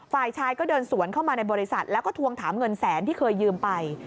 ฝ่ายชายก็เดินสวนเข้ามาในบริษัทแล้วก็ทวงถามเงินแสนที่เคยยืมไป